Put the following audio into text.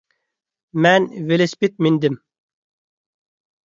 مەن ۋېلىسىپىت مىندىم.